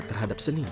terhadap seni lukis